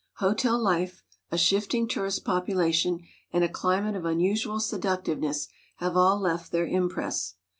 Hotel life, a shifting tourist population, and a cli mate of unusual seductiveness, have all left their impress.